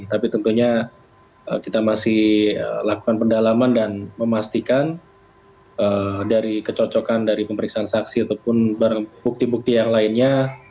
tapi tentunya kita masih lakukan pendalaman dan memastikan dari kecocokan dari pemeriksaan saksi ataupun bukti bukti yang lainnya